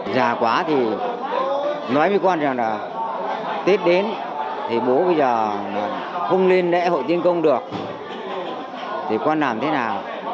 già quá thì nói với con rằng là tết đến thì bố bây giờ không nên lễ hội tiên công được thì quan làm thế nào